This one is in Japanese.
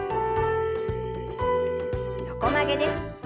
横曲げです。